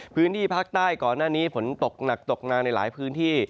พื้นที่ภาคใต้ก่อนหน้านี้ฝนตกหนักตกนานในหลายพื้นที่